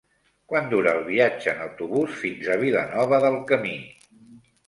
Quant dura el viatge en autobús fins a Vilanova del Camí?